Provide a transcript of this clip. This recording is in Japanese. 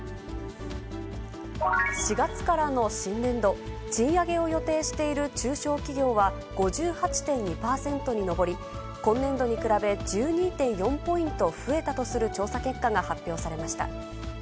４月からの新年度、賃上げを予定している中小企業は５８．２％に上り、今年度に比べ１２．４ポイント増えたとする調査結果が発表されました。